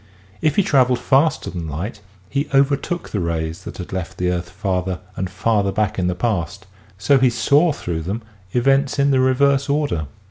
If he traveled faster than light he overtook the rays that had left the earth farther and farther back in the past so he saw through them events in the reverse order.